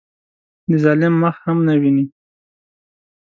د ظالم مخ هم نه ویني.